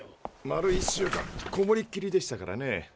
丸１週間こもりっきりでしたからね。